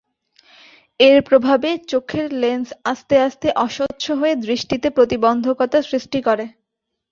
এর প্রভাবে চোখের লেন্স আস্তে আস্তে অস্বচ্ছ হয়ে দৃষ্টিতে প্রতিবন্ধকতা সৃষ্টি করে।